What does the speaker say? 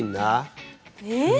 えっ！？